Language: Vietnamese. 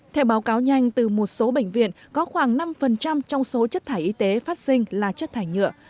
theo báo cáo nhanh từ một số bệnh viện có khoảng năm trong số chất thải y tế phát sinh là chất thải nhựa